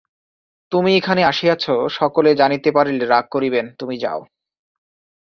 তুমি এখানে আসিয়াছ, সকলে জানিতে পারিলে রাগ করিবেন–তুমি যাও।